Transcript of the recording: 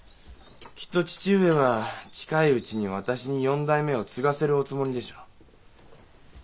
きっと父上は近いうちに私に四代目を継がせるおつもりでしょう。